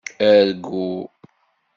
Argu.